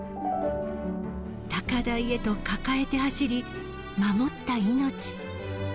高台へと抱えて走り、守った命。